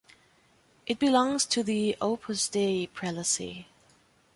It belongs to the Opus Dei prelacy.